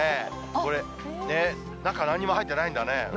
これ、中、なんにも入ってないんだね。